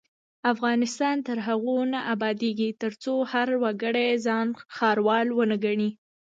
افغانستان تر هغو نه ابادیږي، ترڅو هر وګړی ځان ښاروال ونه ګڼي.